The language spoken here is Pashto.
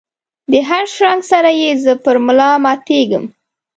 دهر شرنګ سره یې زه پر ملا ماتیږم